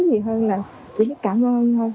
gì hơn là chỉ cảm ơn thôi